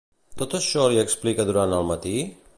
Tot això li explica durant el matí?